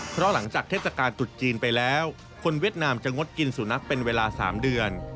เพราะหลังจากเทศกาลตุดจีนไปแล้วคนเวียดนามจะงดกินสุนัขเป็นเวลา๓เดือน